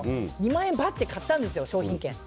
２万円バッと買ったんですよ商品券。